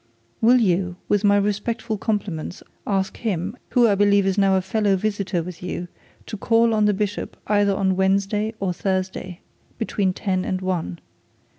'Will you, with my respectful compliments, ask him, who I believe is a fellow visitor with you, to call on the bishop either on Wednesday or Thursday, between ten and one.